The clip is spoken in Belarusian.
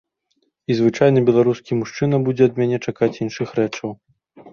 І звычайны беларускі мужчына будзе ад мяне чакаць іншых рэчаў.